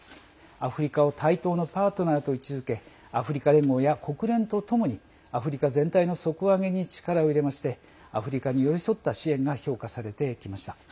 アフリカを対等のパートナーと位置づけアフリカ連合や国連とともにアフリカ全体の底上げに力を入れましてアフリカに寄り添った支援が評価されてきました。